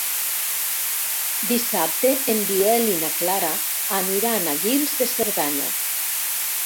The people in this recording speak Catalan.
Dissabte en Biel i na Clara aniran a Guils de Cerdanya.